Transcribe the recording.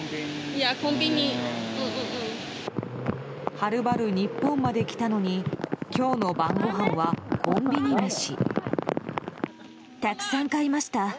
はるばる日本まで来たのに今日の晩ごはんはコンビニ飯。